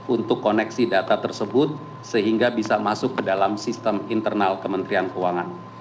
untuk koneksi data tersebut sehingga bisa masuk ke dalam sistem internal kementerian keuangan